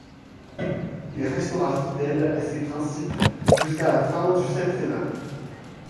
Il restera fidèle à ces principes jusqu'à la fin du septennat.